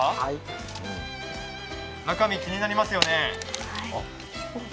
中身、気になりますよね？